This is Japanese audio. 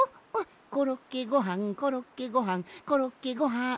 「コロッケごはんコロッケごはんコロッケごはん」